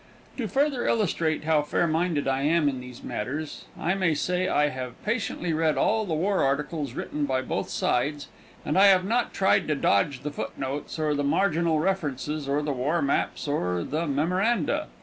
To further illustrate how fair minded I am in these matters, I may say I have patiently read all the war articles written by both sides, and I have not tried to dodge the foot notes or the marginal references, or the war maps or the memoranda.